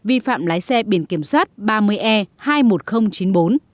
vi phạm lái xe biển kiểm soát ba mươi e hai mươi một nghìn chín mươi bốn